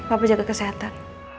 papa jaga kesehatan